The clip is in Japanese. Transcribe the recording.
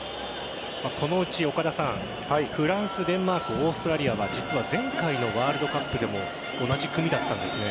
このうちフランス、デンマークオーストラリアは実は前回のワールドカップでも同じ組だったんですね。